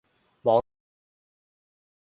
網速或者人品問題